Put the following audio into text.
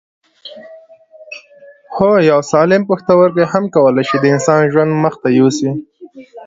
هو یو سالم پښتورګی هم کولای شي د انسان ژوند مخ ته یوسي